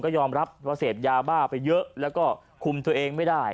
ยอมรับว่าเสพยาบ้าไปเยอะแล้วก็คุมตัวเองไม่ได้